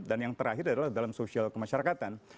dan yang terakhir adalah dalam sosial kemasyarakatan